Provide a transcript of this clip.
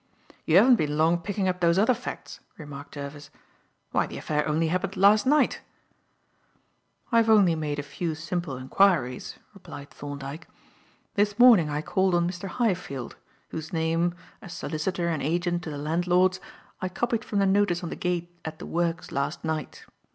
"You haven't been long picking up those other facts," remarked Jervis. "Why the affair only happened last night." "I have only made a few simple enquiries," replied Thorndyke. "This morning I called on Mr. Highfield, whose name, as solicitor and agent to the landlords, I copied from the notice on the gate at the works last night.